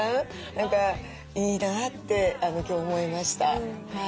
何かいいなって今日思いました。